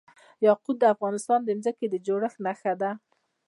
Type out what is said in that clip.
یاقوت د افغانستان د ځمکې د جوړښت نښه ده.